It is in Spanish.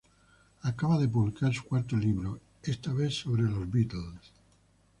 Acaba de publicar su cuarto libro, esta vez sobre Los Beatles.